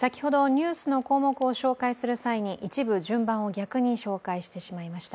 先ほど、ニュースの項目を紹介する際に一部、順番を逆に紹介してしまいました。